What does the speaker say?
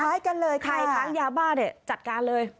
คล้ายกันเลยค่ะคล้ายกันยาบ้าจัดการเลย